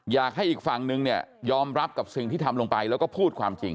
อยากให้อีกฝั่งนึงเนี่ยยอมรับกับสิ่งที่ทำลงไปแล้วก็พูดความจริง